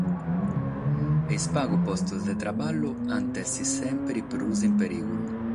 E sos pagos postos de traballu ant a èssere semper prus in perìgulu.